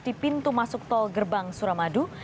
di pintu masuk tol gerbang suramadu